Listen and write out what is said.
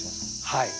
はい。